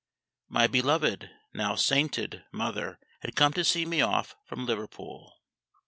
My beloved, now sainted, mother had come to see me off from Liverpool.